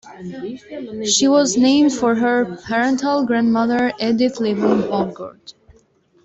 She was named for her paternal grandmother, Edith Lieber Vonnegut.